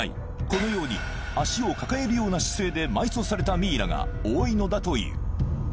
このように足を抱えるような姿勢で埋葬されたミイラが多いのだという